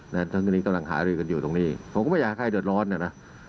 ทั้งนี้กำลังหารือกันอยู่ตรงนี้ผมก็ไม่อยากให้ใครเดือดร้อนนะนะ